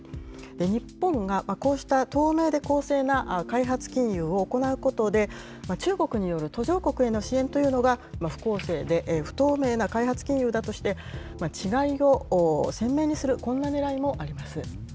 日本がこうした透明で公正な開発金融を行うことで、中国による途上国への支援というのが不公正で不透明な開発金融だとして、違いを鮮明にする、こんなねらいもあります。